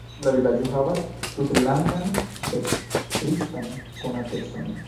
La vilaĝo havas tutlandan, sed tristan konatecon.